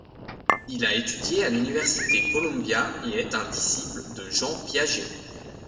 Il a étudié à l'université Columbia et est un disciple de Jean Piaget.